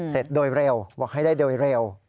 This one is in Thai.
เสร็จโดยเร็วบอกให้ได้โดยเร็ว